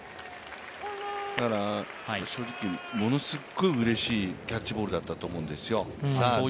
正直、ものすごいうれしいキャッチボールだったと思うんですよ。